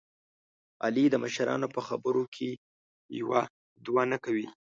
علي د مشرانو په خبره کې یوه دوه نه کوي.